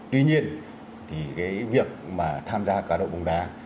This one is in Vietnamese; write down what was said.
tuy nhiên thì cái việc mà tham gia cá độ bóng đá